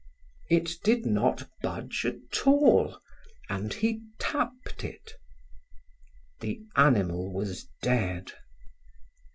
It did not budge at all and he tapped it. The animal was dead.